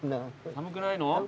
寒くない？